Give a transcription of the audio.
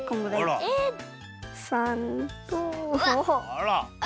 あら！